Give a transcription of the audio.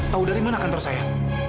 tahu dari mana kantor saya